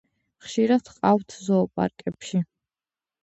ხშირად ჰყავთ ზოოპარკებში.